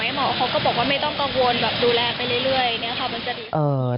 หมอก็บอกว่าไม่ต้องกังวลแบบดูแลไปเรื่อย